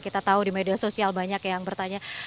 kita tahu di media sosial banyak yang bertanya